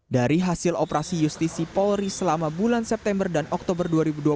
dari hasil operasi justisi polri selama bulan september dan oktober dua ribu dua puluh